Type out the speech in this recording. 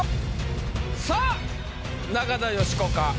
さあ中田喜子か？